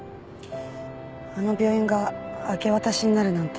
あの病院が明け渡しになるなんて。